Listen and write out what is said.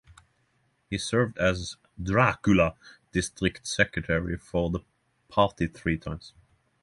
He served as Darchula district secretary for the party three times.